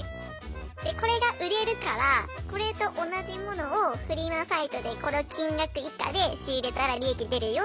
でこれが売れるからこれと同じ物をフリマサイトでこの金額以下で仕入れたら利益出るよっていうのを。